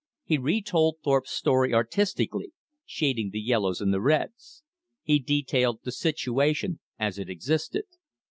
He re told Thorpe's story artistically, shading the yellows and the reds. He detailed the situation as it existed.